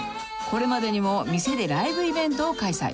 これまでにも店でライブイベントを開催］